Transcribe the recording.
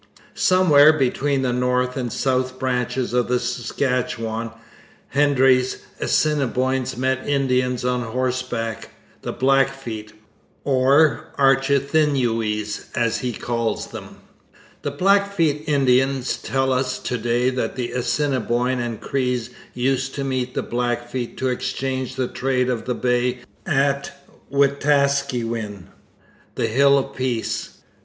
Somewhere between the north and south branches of the Saskatchewan, Hendry's Assiniboines met Indians on horseback, the Blackfeet, or 'Archithinues,' as he calls them. The Blackfeet Indians tell us to day that the Assiniboines and Crees used to meet the Blackfeet to exchange the trade of the Bay at Wetaskiwin, 'the Hills of Peace.'